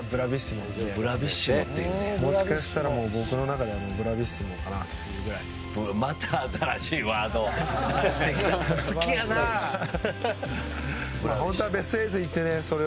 もしかしたら僕の中ではブラビッシモかなというぐらいまた新しいワードを。